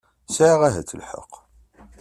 sɛiɣ ahat lḥeqq.